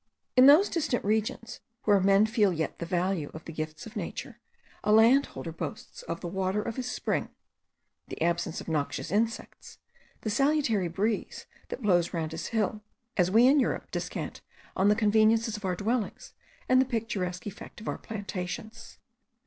In those distant regions, where men yet feel the full value of the gifts of nature, a land holder boasts of the water of his spring, the absence of noxious insects, the salutary breeze that blows round his hill, as we in Europe descant on the conveniences of our dwellings, and the picturesque effect of our plantations.